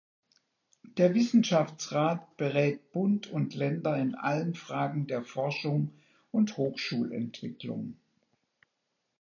Der Wissenschaftsrat berät Bund und Länder in allen Fragen der Forschung und Hochschulentwicklung.